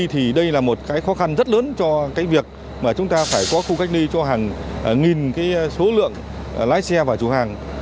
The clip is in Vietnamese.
thì đây là một cái khó khăn rất lớn cho cái việc mà chúng ta phải có khu cách ly cho hàng nghìn số lượng lái xe và chủ hàng